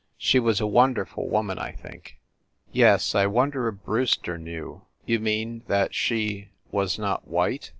"She was a wonder ful woman, I think." "Yes. I wonder if Brewster knew." "You mean that she was not white?"